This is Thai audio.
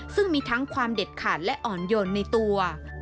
ซึ่งมีทั้งความเด็ดขาดและอ่อนโยนในตัว